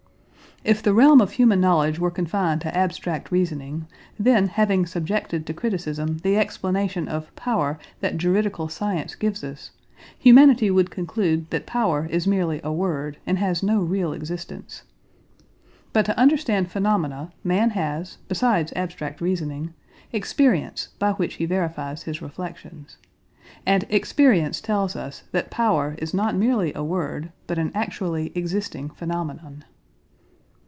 If the realm of human knowledge were confined to abstract reasoning, then having subjected to criticism the explanation of "power" that juridical science gives us, humanity would conclude that power is merely a word and has no real existence. But to understand phenomena man has, besides abstract reasoning, experience by which he verifies his reflections. And experience tells us that power is not merely a word but an actually existing phenomenon.